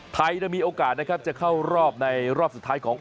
ไทยจะมีโอกาสจะเข้ารอบในรอบสุดท้ายของ